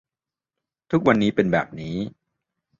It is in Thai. ทุกวันนี้เป็นแบบนี้